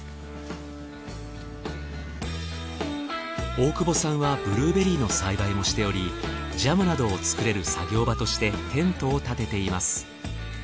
大久保さんはブルーベリーの栽培もしておりジャムなどを作れる作業場としてテントをたてています。